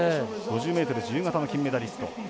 ５０ｍ自由形の金メダリスト。